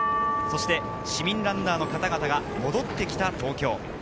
そして市民ランナーの方々が戻ってきた東京。